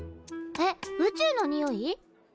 えっ宇宙のにおい？